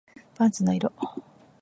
パンツの色